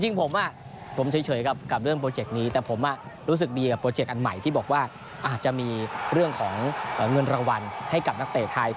จริงผมเฉยกับเรื่องโปรเจกต์นี้แต่ผมรู้สึกดีกับโปรเจกต์อันใหม่ที่บอกว่าอาจจะมีเรื่องของเงินรางวัลให้กับนักเตะไทย